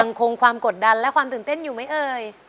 คงความกดดันและความตื่นเต้นอยู่ไหมเอ่ย